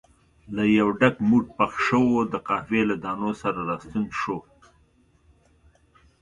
له یو ډک موټ پخ شوو د قهوې له دانو سره راستون شو.